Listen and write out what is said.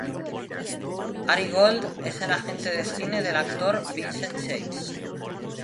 Ari Gold es el agente de cine del actor Vincent Chase.